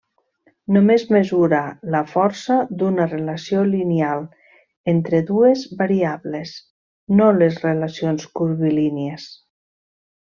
Només mesura la força d’una relació lineal entre dues variables, no les relacions curvilínies.